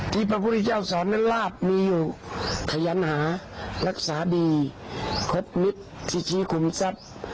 พระพุทธเจ้าสอนนั้นลาบมีอยู่ขยันหารักษาดีครบมิตรที่ชี้คุมทรัพย์